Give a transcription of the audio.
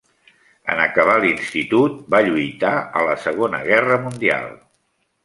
En acabar l'institut, va lluitar a la Segona Guerra Mundial.